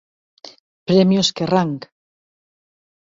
Premios Kerrang!